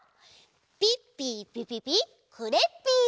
ピッピーピピピクレッピー！